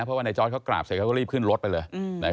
เพราะว่าในจอร์ดเขากราบเสร็จเขาก็รีบขึ้นรถไปเลย